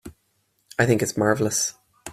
I think it's marvelous.